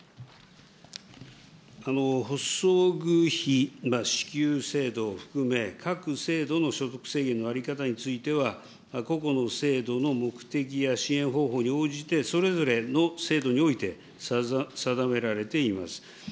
補装具費支給制度含め各制度の所得制限の在り方については、個々の制度の目的や支援方法に応じて、それぞれの制度において定められています。